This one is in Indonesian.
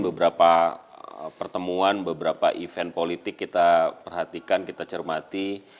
beberapa pertemuan beberapa event politik kita perhatikan kita cermati